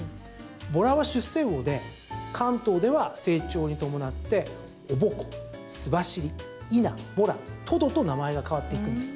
ボラは出世魚で関東では成長に伴ってオボコ、スバシリイナ、ボラ、トドと名前が変わっていくんです。